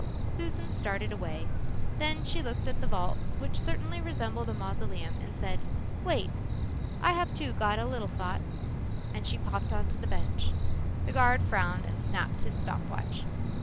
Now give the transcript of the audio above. Susan started away. Then she looked at the vault which certainly resembled a mausoleum and said, "Wait I have too got a little thought," and she popped onto the bench. The guard frowned and snapped his stop watch.